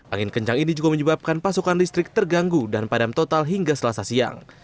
angin kencang ini juga menyebabkan pasokan listrik terganggu dan padam total hingga selasa siang